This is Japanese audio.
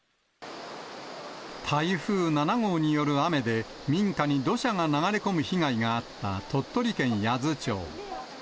台風７号による雨で、民家に土砂が流れ込む被害があった鳥取県八頭町。